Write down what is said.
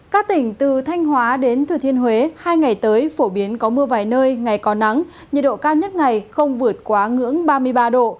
các tỉnh từ thanh hóa đến thừa thiên huế hai ngày tới phổ biến có mưa vài nơi ngày có nắng nhiệt độ cao nhất ngày không vượt quá ngưỡng ba mươi ba độ